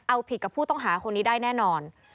เอาผิดกับผู้ต้องหาคนนี้ได้แน่นอน